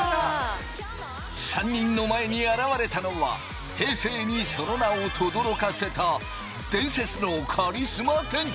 ３人の前に現れたのは平成にその名をとどろかせた伝説のカリスマ店長！